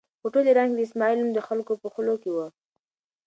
په ټول ایران کې د اسماعیل نوم د خلکو په خولو کې و.